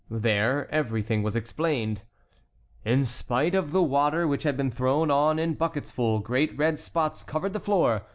There everything was explained. In spite of the water which had been thrown on in bucketsful, great red spots covered the floor.